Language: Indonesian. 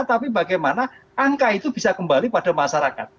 tapi bagaimana angka itu bisa kembali pada masyarakat